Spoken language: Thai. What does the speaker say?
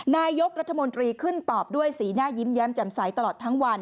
นายกรัฐมนตรีขึ้นตอบด้วยสีหน้ายิ้มแย้มแจ่มใสตลอดทั้งวัน